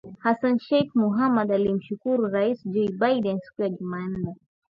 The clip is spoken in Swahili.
Hassan Sheikh Mohamud alimshukuru Rais Joe Biden siku ya Jumanne.